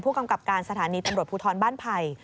กำกับการสถานีตำรวจภูทรบ้านไผ่